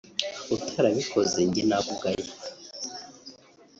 Utarabikoze njye nakugaya